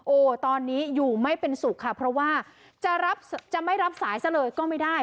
โอ้โหตอนนี้อยู่ไม่เป็นสุขค่ะเพราะว่าจะรับจะไม่รับสายซะเลยก็ไม่ได้